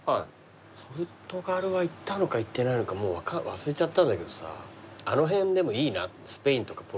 ポルトガルは行ったのか行ってないのかもう忘れちゃったんだけどさあの辺でもいいなスペインとかポルトガルとかさ。